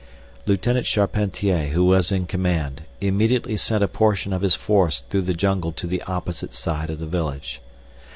Lieutenant Charpentier, who was in command, immediately sent a portion of his force through the jungle to the opposite side of the village.